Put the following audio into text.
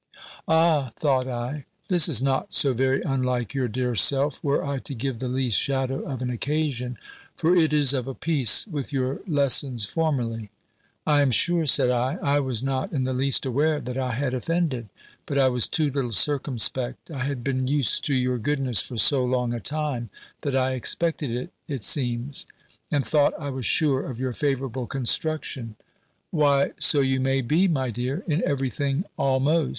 "Ah!" thought I, "this is not so very unlike your dear self, were I to give the least shadow of an occasion; for it is of a piece with your lessons formerly." "I am sure," said I, "I was not in the least aware, that I had offended. But I was too little circumspect. I had been used to your goodness for so long a time, that I expected it, it seems; and thought I was sure of your favourable construction." "Why, so you may be, my dear, in every thing almost.